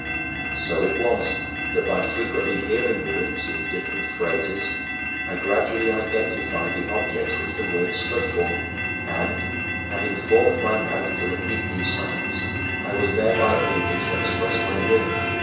So it was that by frequently hearing words, in different phrases, I gradually identified the objects which the words stood for and, having formed my mouth to repeat these signs, I was thereby able to express my will.